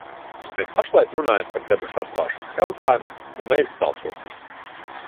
Mēs pašlaik runājam par debašu atklāšanas jautājumu, un mēs balsosim.